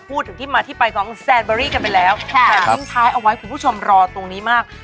แค่นิ่งคลเอาไว้คุณผู้ชมรอตรงนี้มาก